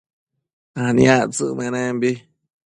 aniactsëc menembi